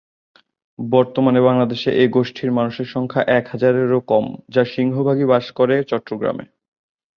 বর্তমানে বাংলাদেশে এ গোষ্ঠীর মানুষের সংখ্যা এক হাজারেরও কম, যার সিংহভাগই বাস করেন চট্টগ্রামে।